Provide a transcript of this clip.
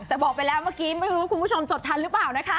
แต่บอกไปแล้วเมื่อกี้ไม่รู้คุณผู้ชมจดทันหรือเปล่านะคะ